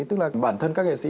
tức là bản thân các nghệ sĩ